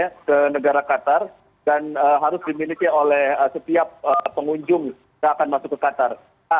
ya ke negara qatar dan harus dimiliki oleh setiap pengunjung yang akan masuk ke qatar